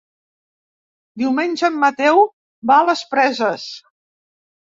Diumenge en Mateu va a les Preses.